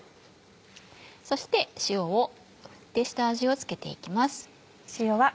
そして塩を振って下味を付けて行きます。